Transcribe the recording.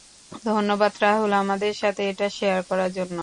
ধন্যবাদ রাহুল আমাদের সাথে এটা শেয়ার করার জন্য।